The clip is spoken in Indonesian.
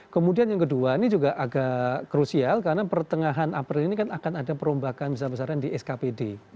kemudian yang kedua ini juga agak krusial karena pertengahan april ini kan akan ada perombakan besar besaran di skpd